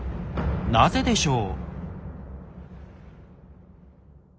なぜでしょう？